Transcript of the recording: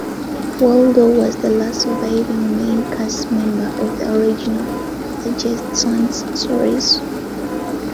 Waldo was the last surviving main cast member of the original "The Jetsons" series.